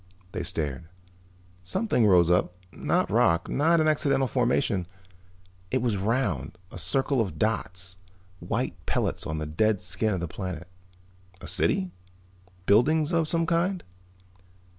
They stared. Something rose up, not rock, not an accidental formation. It was round, a circle of dots, white pellets on the dead skin of the planet. A city? Buildings of some kind?